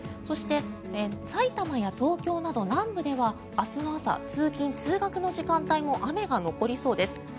そしてさいたまや東京など南部では明日の朝、通勤・通学の時間帯も雨が残りそうです。